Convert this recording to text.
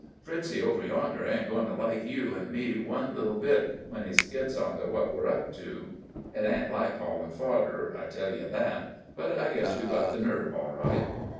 Fritzy over yonder ain't goin' to like you an' me one little bit when he gits on to what we're up to. It ain't like haulin' fodder, I tell you that. But I guess we've got the nerve all right."